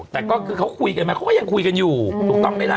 แต่ก็คือเขาคุยกันไหมเขาก็ยังคุยกันอยู่ถูกต้องไหมล่ะ